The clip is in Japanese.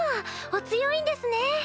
お強いんですね。